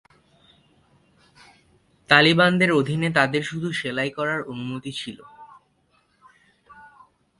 তালেবানদের অধীনে তাদের শুধু সেলাই করার অনুমতি ছিল।